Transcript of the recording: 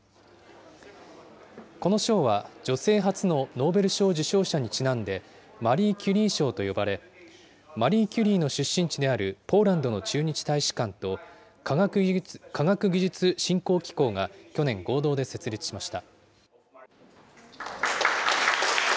この賞は、女性初のノーベル賞受賞者にちなんで、マリー・キュリー賞と呼ばれ、マリー・キュリーの出身地であるポーランドの駐日大使館と科学技術振興機構が、去年合同で設立しました。